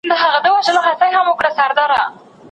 ښکلي خدای پیدا کړمه نصیب یې راکی ښکلی